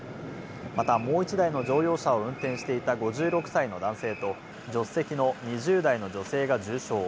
また、もう１台の乗用車を運転していた５６歳の男性と助手席の２０代の女性が重傷。